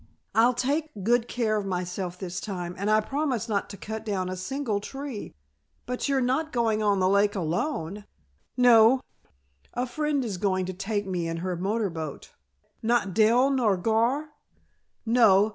"I'll take good care of myself this time, and I promise not to cut down a single tree." "But you are not going on the lake alone?" "No; a friend is going to take me in her motor boat." "Not Dell, nor Gar?" "No.